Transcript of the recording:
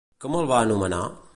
Com el va anomenar?